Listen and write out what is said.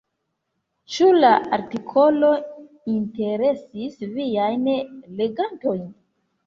Ĉu la artikolo interesis viajn legantojn?